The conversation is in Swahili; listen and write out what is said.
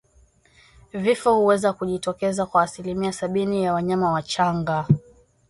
Vifo huweza kujitokeza kwa asilimia sabini ya wanyama wachanga